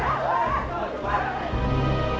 aduh atau bangun